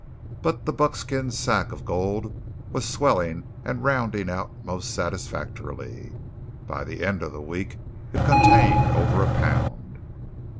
But the buckskin sack of gold was swelling and rounding out most satisfactorily. By the end of the week it contained over a pound!